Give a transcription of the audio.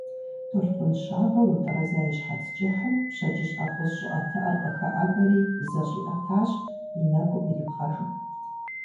Толъкъун щабэу утӀэрэза и щхьэц кӀыхьым пщэдджыжь акъужь щӀыӀэтыӀэр къыхэӀэбэри зэщӀиӀэтащ, и нэкӀум ирипхъэжу.